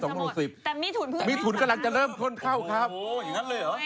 แต่มีถุนพืชมันไม่สมัครนะครับโอ้โฮอย่างนั้นเลยเหรอโอ้โฮ